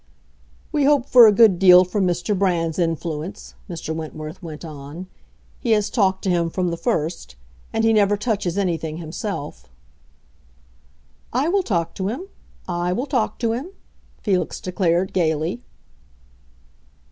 "We hope for a good deal from Mr. Brand's influence," Mr. Wentworth went on. "He has talked to him from the first. And he never touches anything himself." "I will talk to him—I will talk to him!" Felix declared, gayly.